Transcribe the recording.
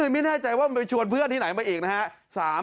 ไม่แน่ใจว่ามันไปชวนเพื่อนที่ไหนมาอีกนะฮะ